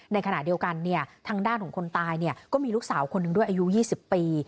ในขณะเดียวกันทางด้านของคนตายก็มีลูกสาวคนหนึ่งด้วยอายุ๒๐ปี